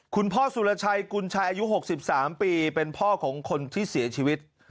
คุณพ่อสุรชัยกุญชัยอายุ๖๓ปีเป็นพ่อของคนที่เสียชีวิต